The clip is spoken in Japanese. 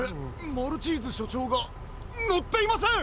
マルチーズしょちょうがのっていません！